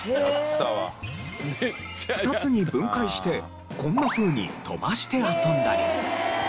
２つに分解してこんなふうに飛ばして遊んだり。